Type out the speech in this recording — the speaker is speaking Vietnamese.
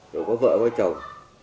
rồi có vợ có chồng